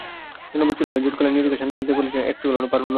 জনবিচ্ছিন্ন হয়ে জোর গলায় নিজেকে সান্ত্বনা দিতে বলছেন, একচুলও নড়ব না।